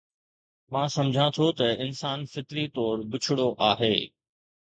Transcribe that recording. مان سمجهان ٿو ته انسان فطري طور بڇڙو آهي